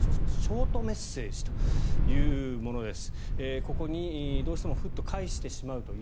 ショートメッセージというものです。